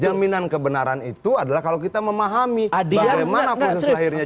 jaminan kebenaran itu adalah kalau kita memahami bagaimana proses lahirnya